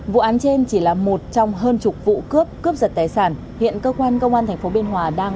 vụ án trên chỉ là một trong hơn chục vụ cướp cướp giật tài sản hiện cơ quan công an tp biên hòa đang